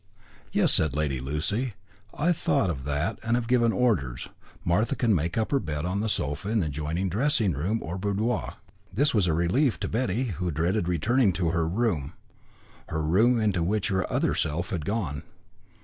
"Yes," said Lady Lacy; "I had thought of that and have given orders. Martha can make up her bed on the sofa in the adjoining dressing room or boudoir." This was a relief to Betty, who dreaded a return to her room her room into which her other self had gone.